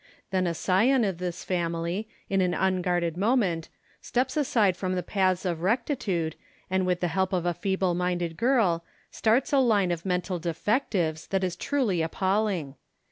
Then a scion of this fam ily, in an unguarded moment, steps aside from the paths of rectitude and with the help of a feeble minded girl, starts a line of mental defectives that is truly appalling.